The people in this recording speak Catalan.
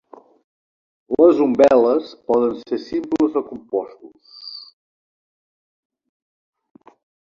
Les umbel·les poden ser simples o compostos.